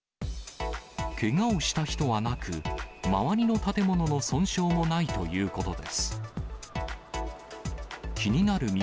けがをした人はなく、周りの建物の損傷もないということです。